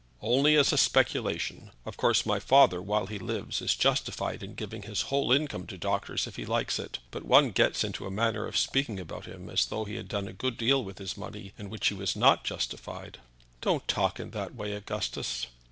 "Only as a speculation. Of course my father, while he lives, is justified in giving his whole income to doctors if he likes it; but one gets into a manner of speaking about him as though he had done a good deal with his money in which he was not justified." "Don't talk in that way, Augustus."